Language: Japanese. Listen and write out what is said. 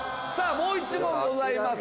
もう１問ございます